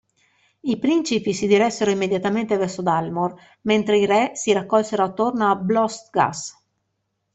I principi si diressero immediatamente verso Dalmor, mentre i re si raccolsero attorno a Blostgas.